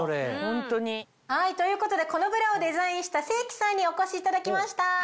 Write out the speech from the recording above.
ホントに。ということでこのブラをデザインした清木さんにお越しいただきました。